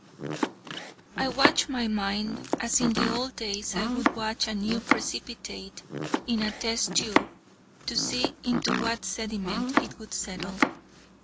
"'I watch my mind, as in the old days I would watch a new precipitate in a test tube, to see into what sediment it would settle.